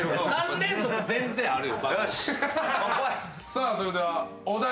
さあそれではお題。